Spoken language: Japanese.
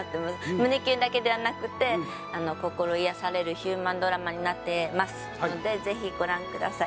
胸キュンだけではなくて心癒やされるヒューマンドラマになってますのでぜひご覧ください。